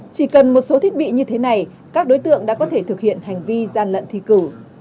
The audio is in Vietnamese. chỉ cần một số thiết bị như thế này các đối tượng đã có thể thực hiện hành vi gian lận thi cử